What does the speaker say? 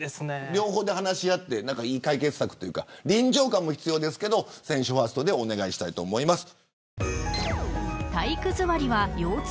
両方で話し合っていい解決策というか臨場感も必要ですが選手ファーストでお願いしたいと思います。